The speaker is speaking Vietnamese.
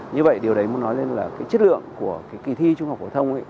như vậy điều đấy muốn nói lên là cái chất lượng của cái kỳ thi trung học phổ thông